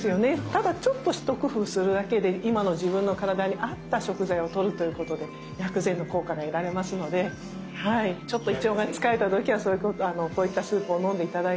ただちょっと一工夫するだけで今の自分の体に合った食材をとるということで薬膳の効果が得られますのでちょっと胃腸が疲れた時はこういったスープを飲んで頂いて。